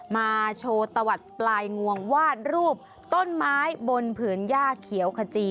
มาโชว์ตะวัดปลายงวงวาดรูปต้นไม้บนผืนย่าเขียวขจี